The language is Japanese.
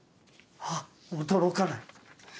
あっ驚かない。